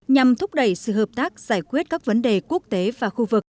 nhằm thúc đẩy sự hợp tác giải quyết các vấn đề quốc tế và khu vực